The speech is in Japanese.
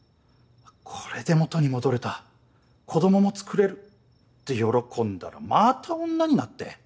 これで元に戻れた子供もつくれるって喜んだらまた女になって。